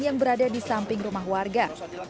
yang berada di samping rumah warga